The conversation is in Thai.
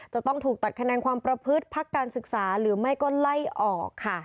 จะต้องถูกตัดคะแนนความประพฤติพักการศึกษาหรือไม่ก็ไล่ออกค่ะ